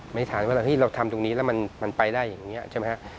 ไม่ทันเวลาที่เราทำตรงนี้แล้วมันไปได้อย่างนี้ใช่ไหมครับ